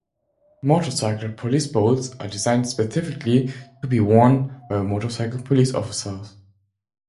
Motorcycle police boots are designed specifically to be worn by motorcycle police officers.